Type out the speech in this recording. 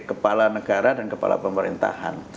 kepala negara dan kepala pemerintahan